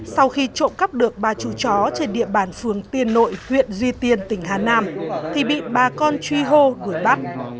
sau khi trộm cắp được ba chú chó trên địa bàn phường tiên nội huyện duy tiên tỉnh hà nam thì bị bà con truy hô gửi bắt